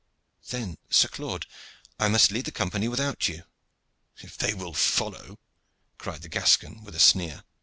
"Then, Sir Claude, I must lead the Company without you." "If they will follow," cried the Gascon with a sneer.